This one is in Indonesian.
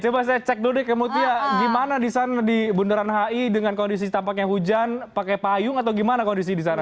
coba saya cek dulu deh ke mutia gimana di sana di bundaran hi dengan kondisi tampaknya hujan pakai payung atau gimana kondisi di sana